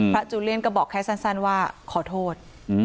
จูเลียนก็บอกแค่สั้นว่าขอโทษ